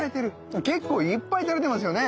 結構いっぱい垂れてますよね。